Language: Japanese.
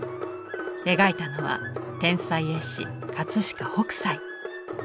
描いたのは天才絵師飾北斎。